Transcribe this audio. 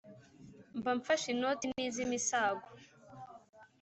mba mfashe inoti n' iz' imisago